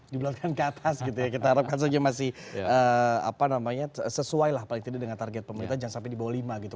dibelotkan ke atas gitu ya kita harapkan saja masih sesuai lah paling tidak dengan target pemerintah jangan sampai di bawah lima gitu